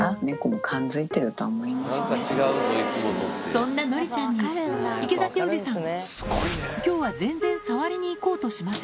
そんなのりちゃんに池崎おじさん